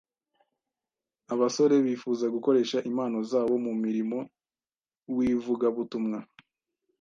Abasore bifuza gukoresha impano zabo mu murimo w’ivugabutumwa,